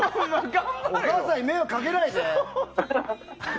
お母さんに迷惑かけないで！